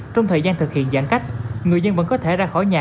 trong thời gian thực hiện giãn cách người dân vẫn có thể ra khỏi nhà